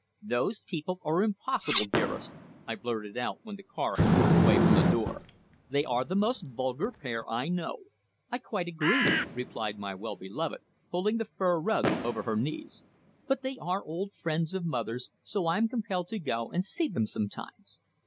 "Those people are impossible, dearest," I blurted out when the car had moved away from the door. "They are the most vulgar pair I know." "I quite agree," replied my well beloved, pulling the fur rug over her knees. "But they are old friends of mother's, so I'm compelled to go and see them sometimes."